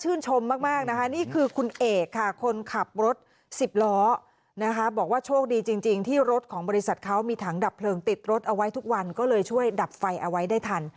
เอาไว้ทุกวันก็เลยช่วยดับไฟเอาไว้ได้ทัน